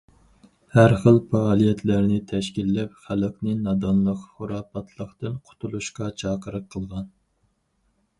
ھەر خىل پائالىيەتلەرنى تەشكىللەپ، خەلقنى نادانلىق، خۇراپاتلىقتىن قۇتۇلۇشقا چاقىرىق قىلغان.